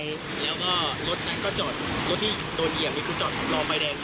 แล้วก็รถนั้นก็จอดรถที่โดนเหยียบคุณจอดขับรองไฟแดงอยู่